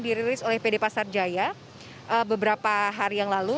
dirilis oleh pd pasar jaya beberapa hari yang lalu